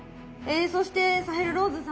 そしてサヘル・ローズ様。